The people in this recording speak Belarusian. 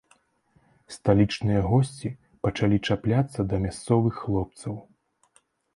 Сталічныя госці пачалі чапляцца да мясцовых хлопцаў.